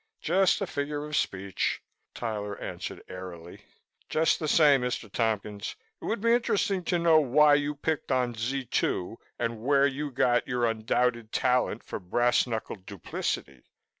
"Just a figure of speech," Tyler answered airily. "Just the same, Mr. Tompkins, it would be interesting to know why you picked on Z 2 and where you got your undoubted talent for brass knuckled duplicity.